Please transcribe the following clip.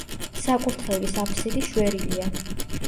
საკურთხევლის აფსიდი შვერილია.